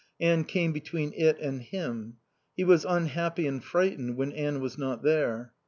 Anne came between it and him. He was unhappy and frightened when Anne was not there.